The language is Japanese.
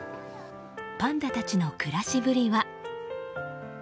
パンダたちの暮らしぶりは。